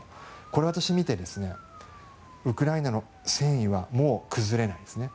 これは私、見てウクライナの戦意はもう崩れないですね。